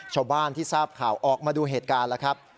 ชาวบ้านที่ทราบข่าวออกมาดูเหตุการณ์แล้วครับ